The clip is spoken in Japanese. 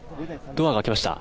ドアが開きました。